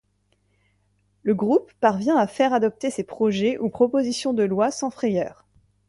Le groupe parvient à faire adopter ses projets ou propositions de lois sans frayeur.